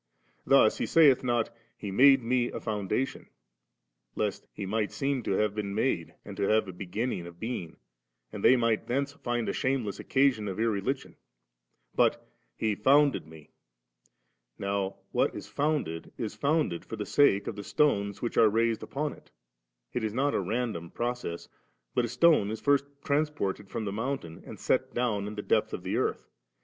Thus He saith not^ * He made me a foundation/ lest He might seem to be made and to have a banning of being, and the^ might thence find a shameless occasion of irreligion ; but, * He founded me/ Now what is founded is founded for the sake of the stones which are raised upon it ; it is not a random process, but a stone is first transported from the mountain and set down in the depth of the earth.